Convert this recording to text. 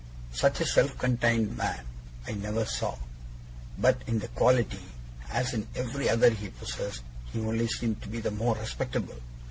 Such a self contained man I never saw. But in that quality, as in every other he possessed, he only seemed to be the more respectable.